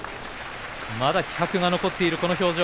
まだ気迫が残っている明生の表情。